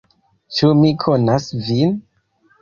Ĉu mi konas vin?